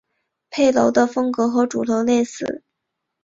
配楼的风格和主楼类似。